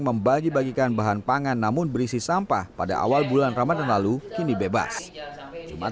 membagi bagikan bahan pangan namun berisi sampah pada awal bulan ramadhan lalu kini bebas jumat